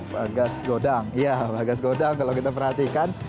bagas godang iya bagas godang kalau kita perhatikan